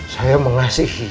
saya mengasihi